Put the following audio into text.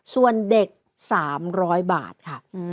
ส่วนเด็ก๓๐๐บาทค่ะ